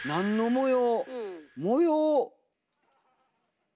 模様。